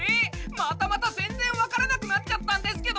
またまた全然わからなくなっちゃったんですけど！